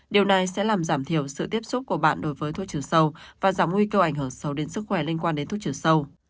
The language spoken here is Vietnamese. điều này sẽ làm giảm thiểu sự tiếp xúc của bạn đối với thuốc trừ sâu và giảm nguy cơ ảnh hưởng sâu đến sức khỏe liên quan đến thuốc trừ sâu